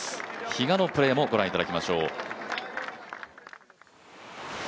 比嘉のプレーもご覧いただきましょう。